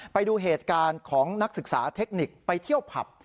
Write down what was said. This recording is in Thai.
ไปดูเหตุการณ์ของนักศึกษาเทคนิคไปเที่ยวผับ